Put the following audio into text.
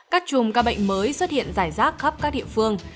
các chùm ca bệnh mới xuất hiện rải rác khắp các địa phương